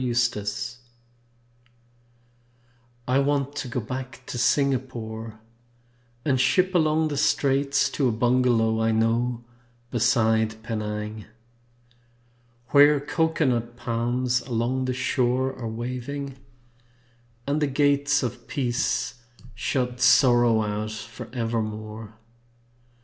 PENANG I want to go back to Singapore And ship along the Straits, To a bungalow I know beside Penang; Where cocoanut palms along the shore Are waving, and the gates Of Peace shut Sorrow out forevermore.